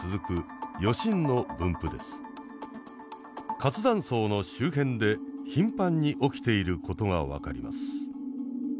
活断層の周辺で頻繁に起きていることが分かります。